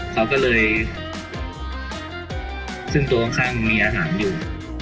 เขาก็เลยซึ่งตัวข้างมีอาหารอยู่